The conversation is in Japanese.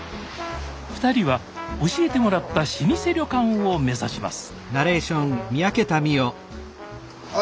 ２人は教えてもらった老舗旅館を目指します